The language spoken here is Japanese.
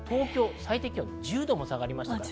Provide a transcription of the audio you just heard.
最低気温１０度も下がりました。